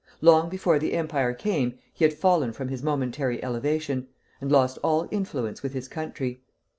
Long before the Empire came, he had fallen from his momentary elevation, and lost all influence with his country.